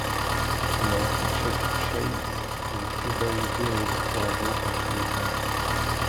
Elle y rencontre Chuck Chase, un cowboy viril, courageux, gentil et tendre.